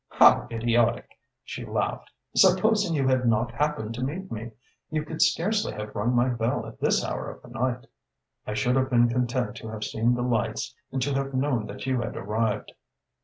"How idiotic!" she laughed. "Supposing you had not happened to meet me? You could scarcely have rung my bell at this hour of the night." "I should have been content to have seen the lights and to have known that you had arrived."